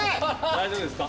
大丈夫ですか？